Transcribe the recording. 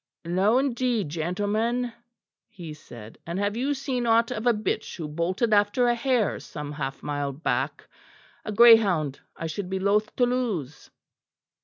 "No, indeed, gentlemen," he said, "and have you seen aught of a bitch who bolted after a hare some half mile back. A greyhound I should be loath to lose."